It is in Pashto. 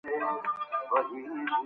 حق د انسانیت د ژغورلو یوازینۍ لاره ده.